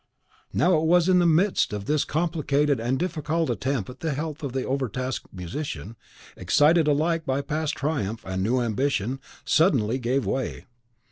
Now, it was in the midst of this complicated and difficult attempt that the health of the over tasked musician, excited alike by past triumph and new ambition, suddenly gave way.